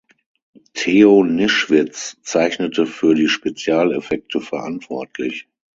Theo Nischwitz zeichnete für die Spezialeffekte verantwortlich.